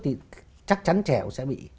thì chắc chắn trẻ cũng sẽ bị